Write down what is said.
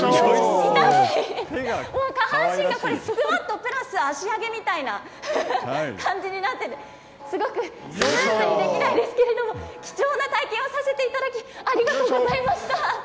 もう下半身がこれ、スクワットプラス足上げみたいな感じになって、すごくスムーズにできないですけれども、貴重な体験をさせていただき、ありがとうございました。